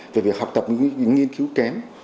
về việc học tập nghiên cứu kém